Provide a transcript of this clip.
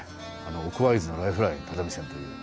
「奥会津のライフライン只見線」という。